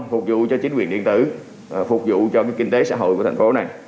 phục vụ cho chính quyền điện tử phục vụ cho kinh tế xã hội của thành phố này